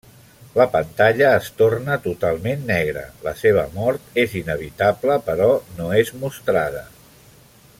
La pantalla es torna totalment negra, la seva mort és inevitable però no és mostrada.